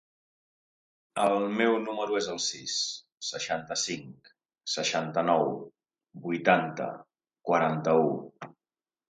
El meu número es el sis, seixanta-cinc, seixanta-nou, vuitanta, quaranta-u.